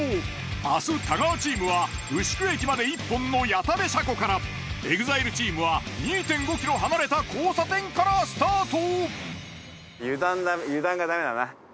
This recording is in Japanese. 明日太川チームは牛久駅まで一本の谷田部車庫からＥＸＩＬＥチームは２．５ｋｍ離れた交差点からスタート。